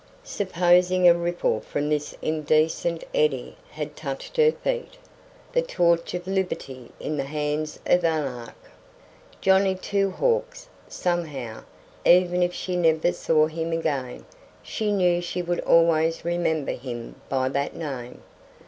Supposing a ripple from this indecent eddy had touched her feet? The torch of liberty in the hands of Anarch! Johnny Two Hawks. Somehow even if she never saw him again she knew she would always remember him by that name.